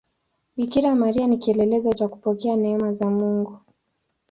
Bikira Maria ni kielelezo cha kupokea neema za Mungu.